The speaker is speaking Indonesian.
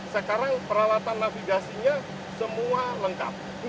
sekarang peralatan navigasinya semua lengkap